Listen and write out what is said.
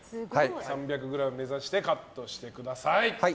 ３００ｇ目指してカットしてください。